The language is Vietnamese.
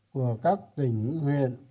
của các tỉnh huyện